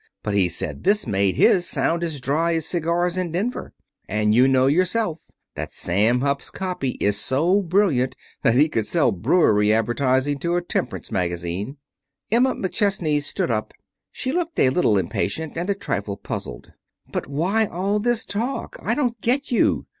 But he said this made his sound as dry as cigars in Denver. And you know yourself that Sam Hupp's copy is so brilliant that he could sell brewery advertising to a temperance magazine." Emma McChesney stood up. She looked a little impatient, and a trifle puzzled. "But why all this talk! I don't get you.